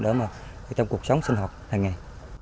để mà trong cuộc sống sinh hợp hàng ngày